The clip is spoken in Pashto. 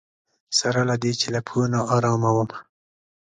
سره له دې چې له پښو ناارامه وم.